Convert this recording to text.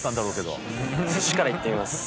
寿司から行ってみます。